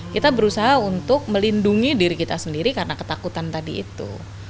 kita berusaha untuk melindungi diri kita sendiri karena ketakutan tadi itu